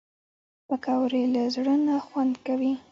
پکورې له زړه نه خوند کوي